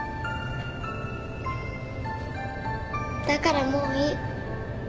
だからもういい。